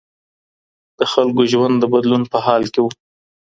د خلګو ژوند د بدلون په حال کي و.